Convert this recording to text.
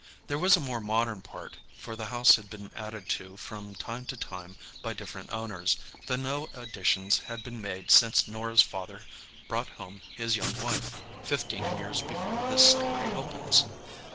There was a more modern part, for the house had been added to from time to time by different owners, though no additions had been made since Norah's father brought home his young wife, fifteen years before this story opens.